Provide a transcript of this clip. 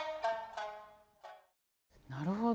なるほど。